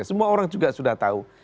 semua orang juga sudah tahu